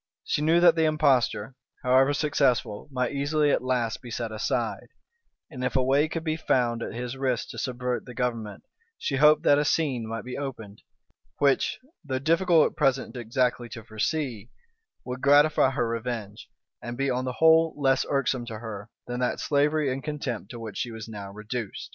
She knew that the impostor, however successful, might easily at last be set aside; and if a way could be found at his risk to subvert the government, she hoped that a scene might be opened, which, though difficult at present exactly to foresee, would gratify her revenge, and be on the whole less irksome to her than that slavery and contempt to which she was now reduced.